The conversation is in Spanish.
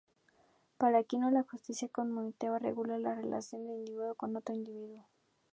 Para Aquino, la justicia conmutativa regula la relación del individuo con otro individuo.